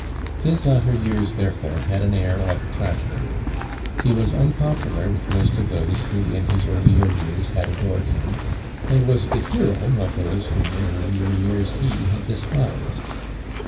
His latter years therefore had an air of tragedy. He was unpopular with most of those who in his earlier years had adored him, and was the hero of those whom in earlier years he had despised.